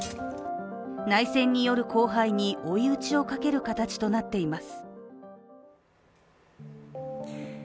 内戦による荒廃に追い打ちをかける形となっています。